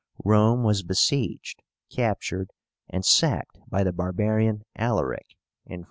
Rome was besieged, captured, and sacked by the barbarian ALARIC, in 410.